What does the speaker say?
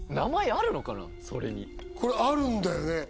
それにこれあるんだよね